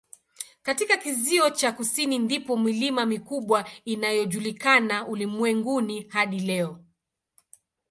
Katika kizio cha kusini ndipo milima mikubwa inayojulikana ulimwenguni hadi leo.